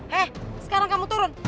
he sekarang kamu turun